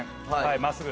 まっすぐ。